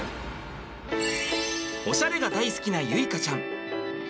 オシャレが大好きな結花ちゃん。